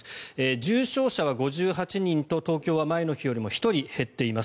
重症者は５８人と東京は前の日よりも１人減っています。